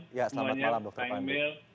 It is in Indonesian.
selamat malam pak emil